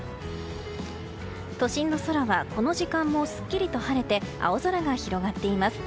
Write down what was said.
都心の空はこの時間もすっきりと晴れて青空が広がっています。